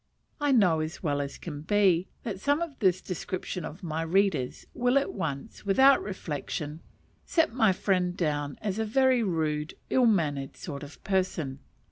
I know as well as can be that some of this description of my readers will at once, without reflection, set my friend down as a very rude ill mannered sort of person.